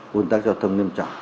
quân tác giao thông nghiêm trọng